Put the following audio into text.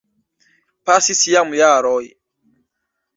Pasis jam jaroj.